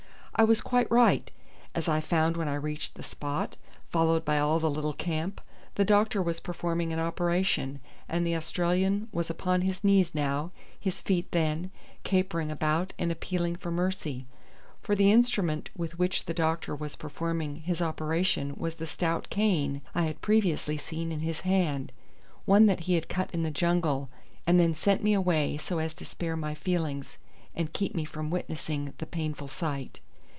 I was quite right, as I found when I reached the spot, followed by all the little camp: the doctor was performing an operation, and the Australian was upon his knees now, his feet then, capering about, and appealing for mercy. For the instrument with which the doctor was performing his operation was the stout cane I had previously seen in his hand, one that he had cut in the jungle, and then sent me away so as to spare my feelings and keep me from witnessing the painful sight.